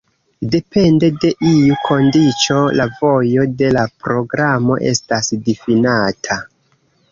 Depende de iu kondiĉo la vojo de la programo estas difinata.